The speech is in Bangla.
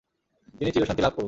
তিনি চিরশান্তি লাভ করুক।